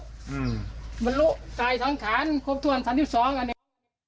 อืมบรรลุตายสังขารครบถ้วนคันที่สองอันนี้